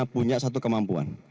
punya satu kemampuan